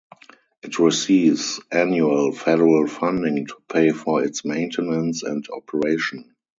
It receives annual federal funding to pay for its maintenance and operation.